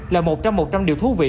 là một trong một trong điều thú vị